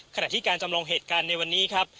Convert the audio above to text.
ขณะที่การจำลองเหตุการณ์ในวันนี้ครับ